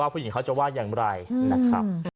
ผู้หญิงเขาจะว่าอย่างไรนะครับ